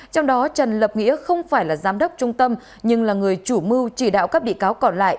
trong đó trần lập nghĩa không phải là giám đốc trung tâm nhưng là người chủ mưu chỉ đạo các bị cáo còn lại